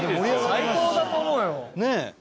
最高だと思うよ。